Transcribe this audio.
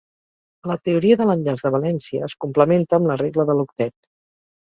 La teoria de l'enllaç de valència es complementa amb la regla de l'octet.